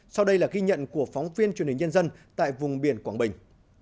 sau đây là ghi nhận của phóng viên truyền hình nhân dân tại vùng biển quảng bình